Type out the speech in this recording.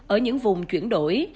ở những vùng chuyển đổi